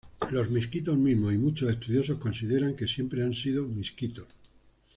Los misquitos mismos y muchos estudiosos consideran que siempre han sido misquitos.